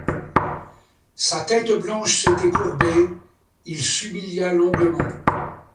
Sa tête blanche s'était courbée, il s'humilia longuement.